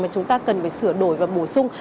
mà chúng ta cần phải sửa đổi và bổ sung